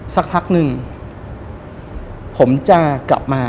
สักพักหนึ่งผมจะกลับมา